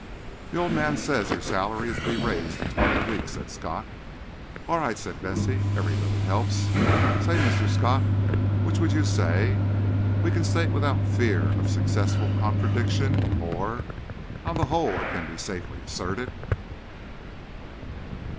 "The old man says your salary is to be raised to twenty a week," said Scott. "All right," said Vesey. "Every little helps. Say—Mr. Scott, which would you say—'We can state without fear of successful contradiction,' or, 'On the whole it can be safely asserted'?"